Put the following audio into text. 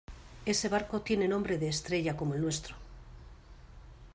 ese barco tiene nombre de estrella como el nuestro.